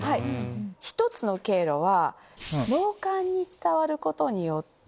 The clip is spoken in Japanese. １つの経路は。